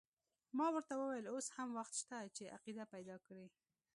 ما ورته وویل اوس هم وخت شته چې عقیده پیدا کړې.